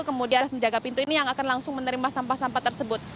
kemudian harus menjaga pintu ini yang akan langsung menerima sampah sampah tersebut